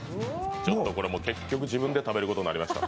これ結局、自分で食べることになりました。